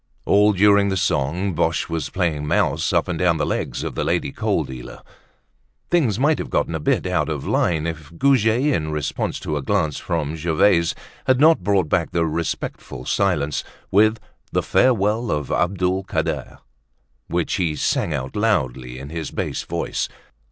All during the song Boche was playing mouse up and down the legs of the lady coal dealer. Things might have gotten a bit out of line if Goujet, in response to a glance from Gervaise, had not brought back the respectful silence with "The Farewell of Abdul Kader," which he sang out loudly in his bass voice.